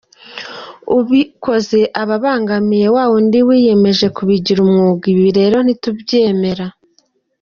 Ubikoze aba abangamiye wawundi wiyemeje kubujyira umwuga; ibi rero ntitugomba kubyemera.